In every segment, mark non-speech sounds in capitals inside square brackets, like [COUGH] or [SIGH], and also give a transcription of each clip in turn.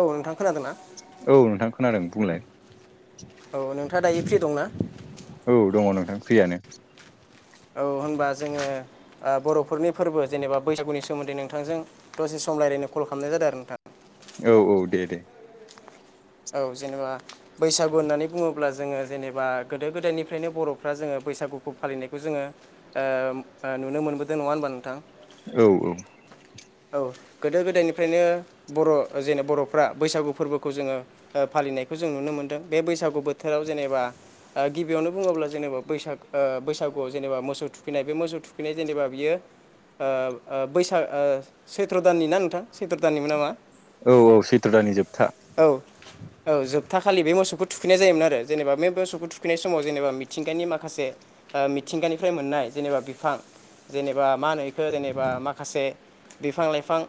औ नोंथां खोनादों ना औ नोंथां खोनादों बुंलाय औ नोंथाङा दायो फ्रि दंना औ दङ नोंथां फ्रियानो औ होनबा जोङो बर'फोरनि फोरबो जेनेबा बैसागुनि सोमोन्दै नोंथांजों दसे सम रायलायनो कल खालामनाय जादों आरो नोंथां औ औ दे दे औ जेनेबा बैसागु होननानै बुङोब्ला जोङो जेनेबा गोदो गोदायनिफ्रायनो बर'फ्रा जोङो बैसागुखौ फालिनायखौ जोङो नुनो मोनबोदों नङा होनबा नोंथां औ औ औ गोदो गोदायनिफ्रायनो बर' जेन बर'फ्रा बैसागु फोरबोखौ जोङो फालि फालिनायखौ जों नुनो मोनदों बे बैसागु बोथोराव जेनेबा गिबियावनो बुङोब्ला जेनेबा बैसाग बैसागुआव जेनेबा मोसौ थुखैनाय बे मोसौ थुखैनाय जेनेबा बियो बैसाग सैथ्र' दाननि ना नोंथां सैथ्र दाननिमोन नामा औ औ सैथ्र' दानि जोबथा [INAUDIBLE] औ जोबथा खालि बे मोसौखौ थुखैनाय जायोमोन आरो जेनेबा बे मोसौखौ थुखैनाय समाव जेनेबा मिथिंगानि माखासे मिथिंगानिफ्राय मोननाय जेनेबा बिफां जेनेबा मा होनो बेखो जेनेबा माखासे बिफां लाइफां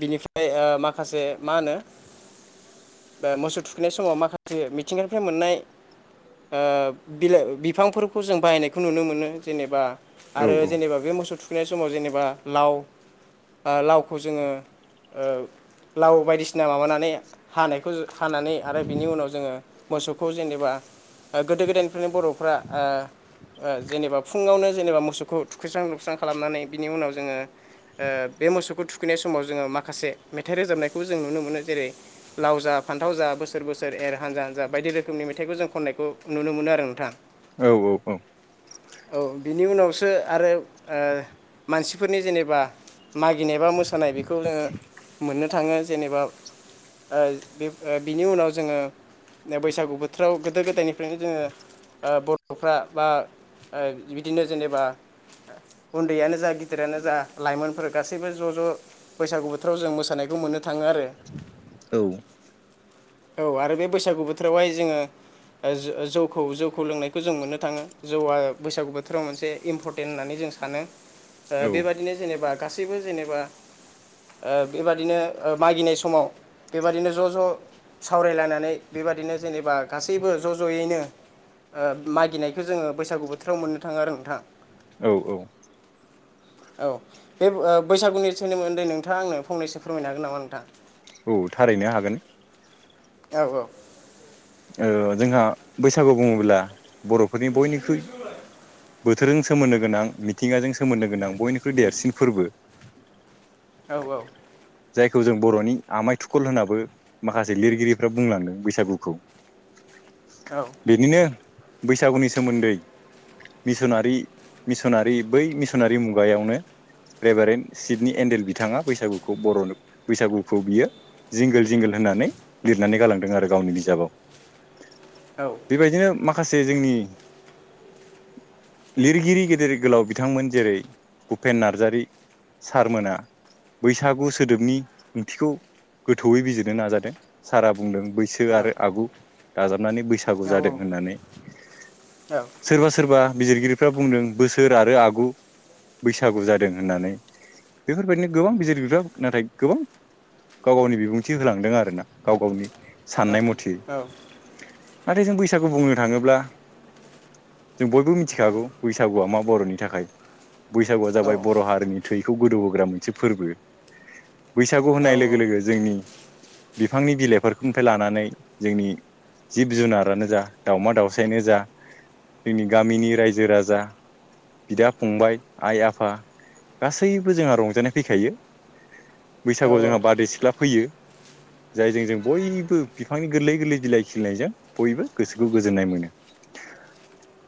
बिनिफ्राय माखासे मा होनो बा मोसौ थुखैनाय समाव माखासे मिथिंगानिफ्राय मोननाय बिलाइ बिफांफोरखौ जों बाहायनायखौ नुनो मोनो जेनेबा औ आरो औ जेनेबा बे मोसौ थुखैनाय समाव जेनेबा लाव लावखौ जोङो [UNINTELLIGIBLE] लाव बायदिसिना माबानानै हानायखौ हानानै आरो बिनि उनाव जोङो मोसौखौ जेनेबा गोदो गोदायनिफ्रायनो बर'फ्रा ओ जेनेबा फुङावनो जेनेबा मोसौखौ थुखैस्रां लोबस्रां खालामनानै बिनि उनाव जोङो बे मोसौखौ थुखैनाय समाव जोङो माखासे मेथाइ रोजाबनायखौ जों नुनो मोनो जेरै लावजा फान्थाव जा बोसोर बोसोर एर हान्जा हान्जा बायदि रोखोमनि मेथाइखौ जों खननायखौ नुनो मोनो आरो नोंथां औ बिनि उनावसो आरो मानसि बेफोरनि जेनेबा मागिनायबा मोसानाय बेखौ जोङो मोननो थाङो जेनेबा बिनि उनाव जोङो बैसागु बोथोराव गोदो गोदायनिफ्रायनो जोङो बर'फ्रा बा बिदिनो जेनेबा उन्दैयानो जा गि दिरानो जा लाइमोनफोरा गासैबो ज' ज' बैसागु बोथोराव जों मोसानायखौ मोननो थाङो आरो औ औ आरो बे बैसागु बोथोरावहाय जोङो ओ जो-जौखौ जौखौ लोंनायखौ जों मोननो थाङो जौआ बैसागु बोथोराव मोनसे इम्परटेन्ट होननानै जों जों सानो औ बेबादिनो जेनेबा गासैबो जेनेबा ओ बेबादिनो ओ मागिनाय समाव बेबादिनो ज' ज' सावरायलायनानै बेबादिनो जेनेबा गासैबो ज' ज'यैनो ओ मागिनायखौ जोङो बैसागु बोथोराव मोननो थाङो आरो नोंथां औ औ औ ओ बे बैसागुनि सोनोमनदै नोंथाङा आंनो फंनैसो फोरमायनो हागोन नामा नोंथा? औ थारैनो हागोन। औ औ जोंहा बैसागु बुङोब्ला बर'फोरनि बयनिख्रुइ बो थोरजों सोमोन्दो गोनां मिथिंगाजों सोमोन्दो गोनां बयनिख्रुइ देरसिन फोरबो औ औ जायखौ जों बर'नि आमाय थुखल होनाबो माखासे लिरगिरिफ्रा बुंलांदों बैसागुखौ औ बेनिनो बैसागुनि सोमोन्दै मिसनारि मिसनारि बै मिसनारि मुगायावनो रेभारेन् सिदनि एन्डेल बिथाङा बैसागुखौ बर' बैसागुखौ बियो जिंगोल जिंगोल होनानै लिरनानै गालांदों आरो गावनि बिजाबाव बेबायदिनो माखासे जोंनि लिरगिरि गेदेर गोलाव बिथांमोन जेरै भुपेन नार्जारि सारमोना बैसागु सोदोबनि ओंथिखौ गोथौयै बिजिरनो नाजादों सारा बुंदों बैसो आरो आगु दाजाब दाजाबनानै बैसागु जादों औ औ होननानै औ सोरबा सोरबा बिजिरगिरिफ्रा बुंदों बोसोर आरो आगु बैसागु जादों होननानै बेफोरबायदिनो गोबां बिजिर बोदों नाथाय गोबां गाव गावनि बिबुंथि होलांदों आरोना गाव गावनि साननाय मथे औ नाथाय जों बैसागु बुंनो थाङोब्ला जों बयबो मिथिखागौ बैसागुआ मा बर'नि थाखाय बैसागुआ जाबाय बर' हारिनि थैखौ गोदौहोग्रा मोनसे फोरबो बैसागु होनाय लोगो लोगो जोंनि बिफांनि बिलाइफोरखौनिफ्राय लानानै जोंनि जिब जुनारानो जा दाावमा दाउसायानो जा जोंनि गामिनि रायजो राजा बिदा फंबाय आइ आफा गासैबो जोंहा रंजानाय फैखायो। बैसागुआव जोंहा बारदै सिख्ला फैयो जायजों जों बयबो बि फांनि गोरलै गोरलै बिलाइ खिलनायजों बयबो गोसोखौ गोजोननाय मोनो।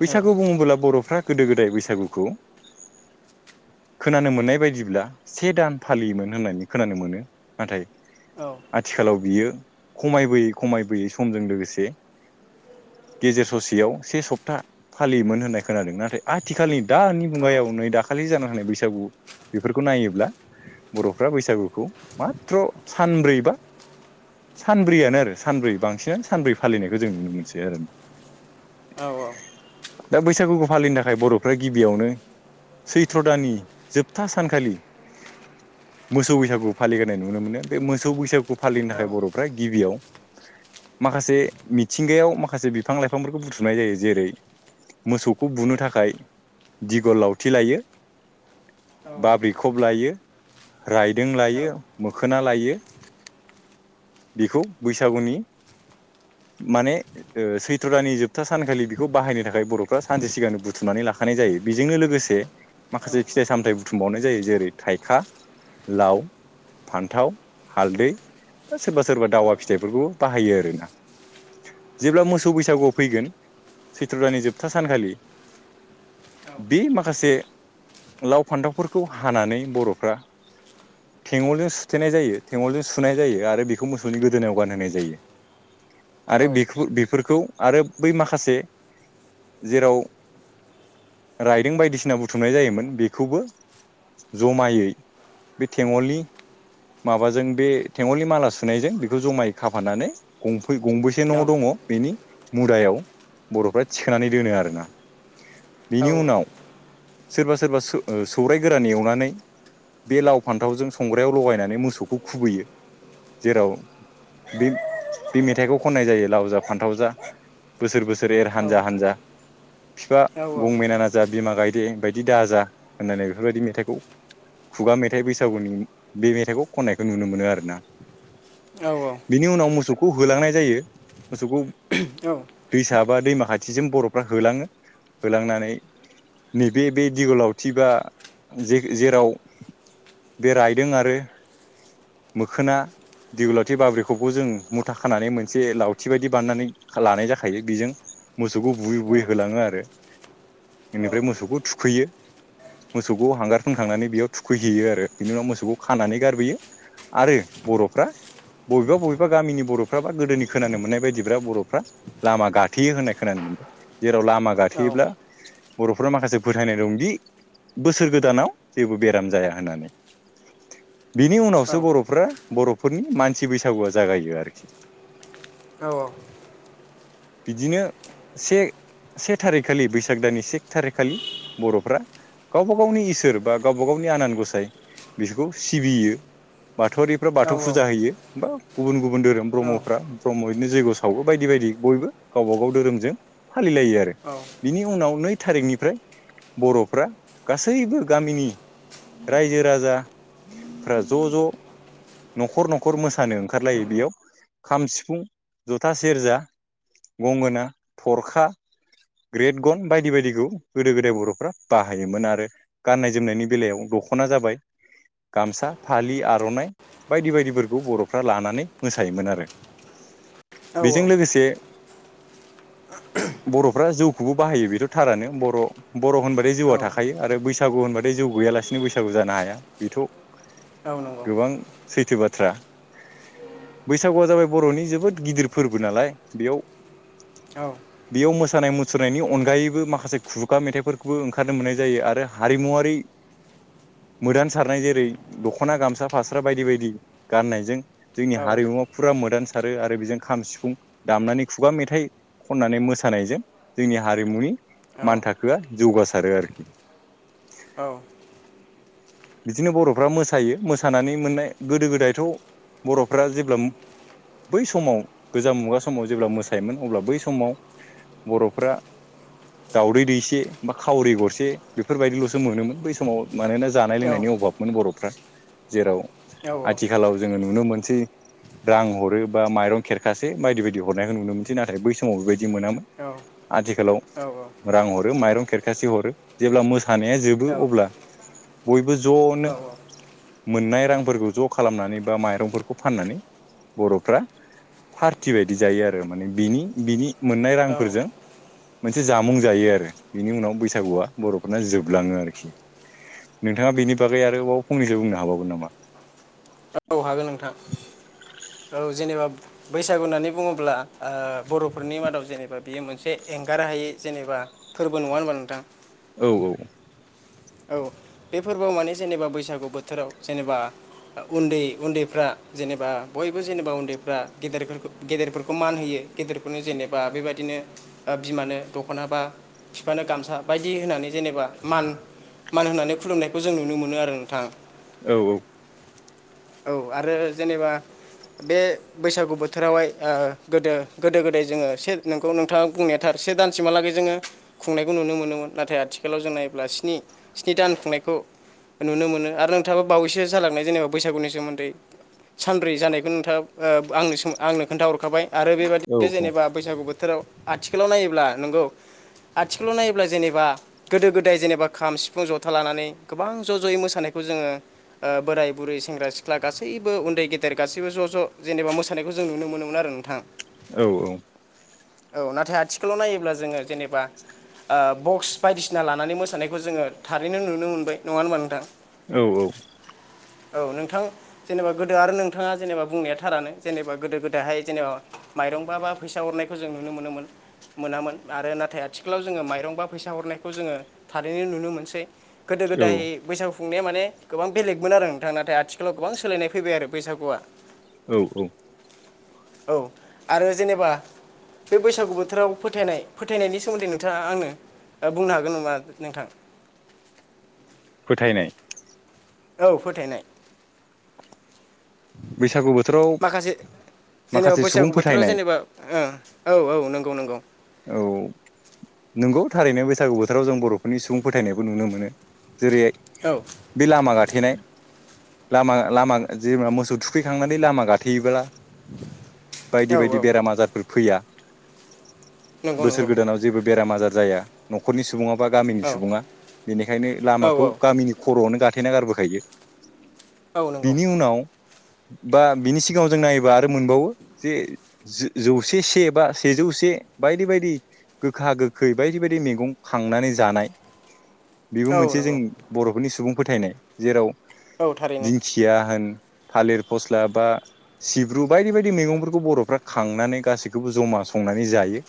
बैसागु बुङोबोला बर'फ्रा गोदो गोदाय बैसागुखौ [INAUDIBLE] खोनानो मोननाय बायदिब्ला से दान फालियोमोन होननानै खोनानो मोनो नाथाय आथिखालाव बियो खमायबोयै खमायबोयै समजों लोगोसे [INAUDIBLE] गेजेर ससेयाव से सप्ता फालियोमोन होननाय खोनादों नाथाय आथिखालनि दानि मुगायाव नै दाखालि जानाय बैसागु बेफोरखौ नायोब्ला बर'फ्रा बैसागुखौ माथ्र सानब्रैबा सानब्रैयानो आरो सानब्रै बांसिनानो सानब्रै फालिनायखौ जों नुनो मोनसै आरो ना औ औ दा बैसागुखौ फालिनो थाखाय बर'फ्रा गिबियावनो सैथ्र' दानानि जोबथा सानखालि मोसौ बैसागु फालिगोनाय नुनो मोनो बे मोसौ बैसागु फालिनो थाखाय बर'फ्रा गिबियाव माखासे मिथिंगायाव माखासे बिफां लाइफांफोरखौ बुथुमनाय जायो जेरै मोसौखौ बुनो थाखाय दिगल लावथि लायो। बाब्रि खब लायो। रायदों लायो मोखोना लायो बेखौ बैसागुनि [UNINTELLIGIBLE] माने ओ सैथ्र' दानि जोबथा सानखालि बेखौ बाहायनो थाखाय बर'फ्रा सानसे सिगांनो बुथुमनानै लाखानाय जायो। बेजोंनो लोगोसे माखासे फिथाइ सामथायाइ बुथुमबावनो जायो जेरै थाइखा लाव फान्थाव हालदै बा सोरबा सोरबा दावा फिथाइफोरखौबो बाहायो आरोना जेब्ला मोसौ बैसागुआ फैगोन सैत्र दानि जोबथा सानखालि बे माखासे लाव फान्थावफोरखौ हानानै बर'फ्रा थेंगलजों सुथेनाय जायो थेगलजों सुनाय जायो आरो बेखौ मोसौनि गो दोनायाव गानहोनाय जायो आरो बेखौ बेफोरखौ आरो बै माखासे जेराव राइदों बायदिसिना बुथुमनाय जायोमोन बेखौबो जमायै बे थेंगलनि माबाजों बे थेंगलनि माला सुनायजों बे बेखौ जमायै खाफानानै गंफै गंबेसे न' दङ बेनि मुदायाव बर'फ्रा थिखोनानै दोनो आरोना बिनि उनाव सोरबा सोरबा सो ओ सौराय गोरान एवनानै बे लाव फान्थावजों संग्रायाव लगायनानै मोसौखौ खुबैयो जेराव बे बे मेथाइखौ खननाय जायो लाव जा फान्थाव जा बोसोर बोसोर एर हानजा हानजा बिफा गंमैनान जा बिमा गायदे बायदि दाजा होननानै बेफोरबायदि मेथाइखौ खुगा मेथाइ बैसागुनि बे मेथाइखौ खननायखौ नुनो मोनो आरोना बिनि उनाव मोसौखौ होलांनाय जायो मोसौखौ औ बिजाबा दैमा खाथिजों बर'फ्रा होलाङो होलांनानै नैबे बे दिगलावथि बा जेराव बे रायदों आरो मोखोना दिगल बाबैखौबो जों मुथा खानानै मोनसे लावथि बायदि बानायनानै लानाय जाखायो बेजों मोसौखौ बुयै बुयै होलाङो आरो बेनिफ्राय मोसौखौ थुखैयो मोसौखौ हांगार फोनखांनानै बेयाव थुखैहैयो आरो बिनि उनाव मोसौखौ खानानै गारबोयो। आरो बर'फ्रा बबेबा बबेबा गामिनि बर'फ्रा बा गोदोनि खोनानो मोननाय बायदिब बर'फ्रा लामा गाथेयो होननाय खोनादों। माने जेराव लामा गाथोयोब्ला बर'फ्रा माखासे फोथायनाय दंदि बोसोर गोदानाव जेबो बेराम जाया होननानै [INAUDIBLE] बिनि उनावसो बर'फ्रा बर'फोरनि मानसि बैसागुआ जागायो आरोखि औ बिदिनो से से थारिखखालि बैसाग दाननि से थारिख खालि बर'फ्रा गावबा गावनि इसोर बा गावबा गावनि आनान गसाय बिसोरखौ सिबियो बाथौआरिफ्रा बाथौ फु गुबुन गुबुन धोरोम ब्रह्मफ्रा ब्रह्म बिदिनो जैग्य सावो बायदि बायदि बयबो गावबा गाव धोरोमजों फालिलायो आरो बिनि उनाव नै थारिखनिफ्राय बर'फ्रा गासैबो गामिनि रायजो राजाफ्रा ज' ज' न'खर न'खर मोसानो ओंखारलायो बेयाव खाम सिफुं जथा सेरजा गंगोना थरखा ग्रेट गन बायदि बायदिखौ गोदो गोदाय बर'फ्रा बाहायोमोन आरो गाननाय जोमनायनि बेलायाव दख'ना जाबाय गामसा फालि आर'नाइ बायदि बायदिफोरखौ बर'फ्रा लानानै मोसायोमोन आरो बेजों लोगोसे [INAUDIBLE] बर'फ्रा जौखौबो बाहायो बेथ' थाथारोनो बर' बर' होनबाथाय जौआ थाखायो आरो बैसागु होनबाथाय जौ गैयाबानो जाथारा गैयालासिनो बैसागु जानो हाया बेथ' औ नंगौ गोबां सैथो बाथ्रा बैसागुआ जाबाय बर'नि जोबोद गिदिर फोरबो नालाय बेयाव औ बेयाव मोसानाय मुसुरनायनि अनगायैबो माखासे खुगा मेथाइफोरखौबो ओंखारनो मोननाय जायो आरो हारिमुवरारि [INAUDIBLE] मोदान सारनाय जेरै दख'ना गामसा फास्राब बायदि बायदि गाननायजों जोंनि हारिमुवा फुरा मोदान थारो आरो बेजों खाम सिफुं दामनानै खुगा मेथाइ खननानै मोसानायजों जोंनि हारिमुनि मान थाखोआ जौगासारो आरोखि औ बिदिनो बर'फ्रा मोसायो मोसानानै मोननाय गोदो गोदायथ' बर'फ्रा जेब्ला बै समाव गोजाम मुगा समाव जेब्ला मोसायोमोन अब्ला बै समाव बर'फ्रा दावदै दैसे बा खावरि गरसे बेफोरबायदिल'सो मोनोमोन बै समाव मानोना जों जानाय लोंनायनि अभाबमोन बर'फ्रा जेराव आथिखालाव जोङो नुनो मोनसै रां हरो बा माइरं खेरखास बायदि बायदि हरनायखौ नुनो मोनसै नाथाय बै समाव बेबायदि मोनामोन आथिखालाव रां हरो माइरं खेरखासि हरो जेब्ला मोसानाया जोबो अब्ला बयबो ज'नो मोननाय रांफोरखौ ज' खालामनानै बा माइरंफोरखौ फाननानै बर'फ्रा पार्टि बायदि जायो आरो माने बिनि बिनि मोननाय रांफोरजों मोनसे जामुं जायो आरो बिनि उनाव बैसागुआ बर'फोरना जोबलाङो आरोखि नोंथाङा बेनि बागै आरोबाव फंनैसो बुंनो हाबावगोन नामा औ हागोन नोंथां औ जेनेबा बैसागु होननानै बुङोब्ला बर'फोरनि मादाव जेनेबा बियो मोनसे एंगार हायै जेनेबा फोरबो नङा होनबा नोंथां औ औ औ बे फोरबोआव माने जेनेबा बैसागु बोथोराव जेनेबा उन्दै उन्दैफ्रा जेनेबा बयबो जेनेबा उन्दैफ्रा गेदफोरखौ गेदेरफोरखौ मान होयो गेदेरखौनो जेनेबा बेबायदि बिदिनो बिमानो दख'ना बा बिफानो गामसा बायदि होनानै जेनेबा मान मान होननानै खुलुमनायखौ जों नुनो मोनो आरो नोंथां औ औ औ आरो जेनेबा बे बैसागु बोथोरावहाय गोदो गोदो गोदाय जोङो से नोंखौ नोंथाङा बुंनायाथार से दानसिमहालागै जोङो खुंनायखौ नुनो मोनोमोन नाथाय आथिखालाव जों नायोब्ला स्नि स्नि दान खुंनायखौ नुनो मोनो आरो नोंथाङाबा बावैसो जालांनाय जेनेबा बैसागु नि सोमोन्दै सानब्रै जानायखौ नोंथाङा आं आंनो खोन्थााहरखाबाय आरो औ बेबाददिनो जेनेबा बैसागु बोथोराव आथिखालाव नायोब्ला नोंगौ आथिखालाव नायोब्ला जेनेबा गोदो गोदाय जेनेबा खाम सिफुं जथा लानानै गोबां ज' ज'यै मोसानायखौ खौ जोङो बोराय बुरै सेंग्रा सेंग्रा सिख्ला गासैबो उन्दै गेदेर गासैबो ज' ज' जेनेबा मोसानायखौ जों नुनो मोनोमोन आरो नोंथां औ औ औ नाथाय आथिखालाव नायोब्ला जोङो जेनेबा बक्स बायदिसिना लानानै मोसानायखौ जोङो थारैनो नुनो मोनबाय नङा होमबा नोंथां औ औ औ नों नोंथां जेनेबा गोदो आरो नोंथां बुंनाया थारानो जेनबा गोदो गोदायहाइ जेनबा माइरं बा बा फैसा हरनायखौ जों नुनो मोनोमोन। मोनामोन आरो नाथाय आथिखालाव जोङो माइरं बा फैसा हरनायखौ जोङो थारैनो नुनो मोनसै। गोदो औ गोदाय बैसागुुंनाया माने गोबां बेलेगमोन आरो नोंथां नाथाय आथिखालाव आथिखालाव गोबां सोलायनाय फैबाय आरो बैसागुआ औ औ औ आरो जेनेबा बे बैसागु बोथोराव फोथायनाय फोथायनायनि सोमोन्दै नोंथाङा आंनो बुंनो हागोन नामा नोंथां? फोथायनाय औ फोथायनाय बैसागु बोथोराव माखासे जेनेबा माखासे सुबुं बैसागु बोथोराव फोथायनाय जेनेबा औ औ नंगौ नंगौ। औ नंगौ थारैनो बैसागु बोथोराव जों बर'फोरनि सुबुं फोथायनायबो नुनो मोनो। जेरैहाय औ बे लामा गाथेनाय लामा लामा जेनेबा मोसौ थुखैखांनानै लामा गाथेयोब्ला बायदि औ बायदि बेराम आजारफोर फैया। नंगौ बोसोर नंगौ गोदानाव जेबो बेराम आजार जाया न'खरनि सा सुबुङा बा गामिनि औ सुबुङा बेनिखायनो औ लामाखौ औ गामिनि खर'आवनो गाथे थेना गारबोखायो। औ नंगौ बिनि उनाव बा बिनि सिगाङाव जों नायोबा आरो मोनबावो जे जौसे से बा सेजौ जौसे बायदि बायदि गोखा गोखै बायदि बायदि मैगं खांनानै जानाय बेबो औ मोनसे जों नंगौ बर'फोरनि सुबुं फोथायनाय जेराव औ थारैनो दिंखिया होन थालिर फस्ला बा सिब्रु बायदि बायदि मैगंफोरखौ बर'फ्रा खांनानै गासैखौबो जमा संनानै जायो।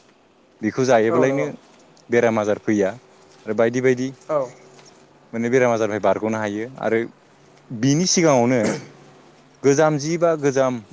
बेखौ औ जायोबालायनो नंगौ बेराम आजार फैया आरो बायदि बायदि औ माने बेराम आजारनिफ्राय बारग'नो हायो आरो बिनि सिगाङावनो गोजाम जि बा गोजाम